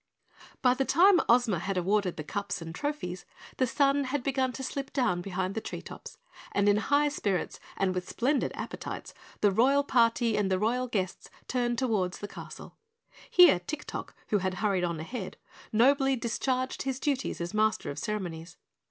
By the time Ozma had awarded the cups and trophies, the sun had begun to slip down behind the treetops, and in high spirits and with splendid appetites the Royal Party and the Royal Guests turned toward the castle. Here Tik Tok, who had hurried on ahead, nobly discharged his duties as Master of Ceremonies.